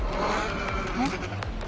・えっ？